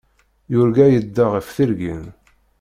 Yurga yedda ɣef tirgin.